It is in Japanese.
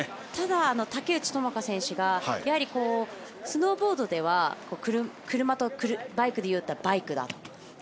ただ、竹内智香選手がスノーボードでは車とバイクでいうならばバイクだと。